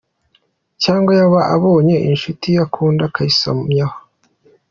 Cg yaba abonye inshuti ye akunda akayisomyaho.